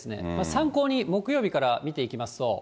参考に木曜日から見ていきますと。